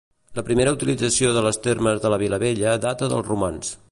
La primera utilització de les termes de La Vilavella data dels romans.